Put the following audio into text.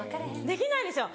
できないですよ